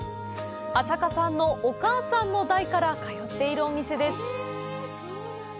朝加さんのお母さんの代から通っているお店です。